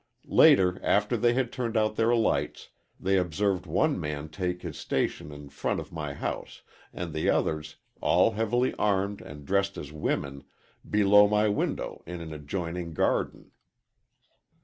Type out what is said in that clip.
Later, after they had turned out their lights, they observed one man take his station in front of my house, and the others, all heavily armed and dressed as women, below my window in an adjoining garden.